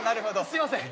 すいません。